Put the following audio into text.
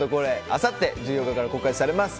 あさって１４日から公開されます。